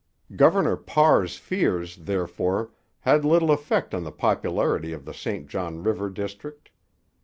Governor Parr's fears, therefore, had little effect on the popularity of the St John river district.